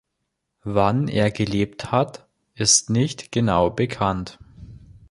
Wann er gelebt hat, ist nicht genau bekannt.